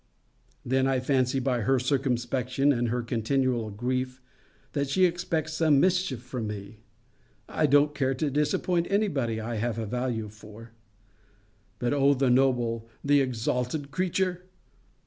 Then, I fancy by her circumspection, and her continual grief, that she expects some mischief from me. I don't care to disappoint any body I have a value for. But O the noble, the exalted creature!